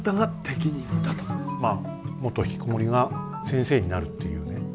まあ元ひきこもりが先生になるっていうね